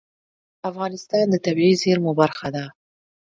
چنګلونه د افغانستان د طبیعي زیرمو برخه ده.